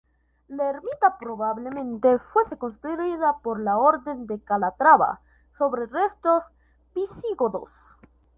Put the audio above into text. La ermita probablemente fuese construida por la Orden de Calatrava sobre restos visigodos.